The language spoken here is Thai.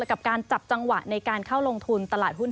กับการจับจังหวะในการเข้าลงทุนตลาดหุ้น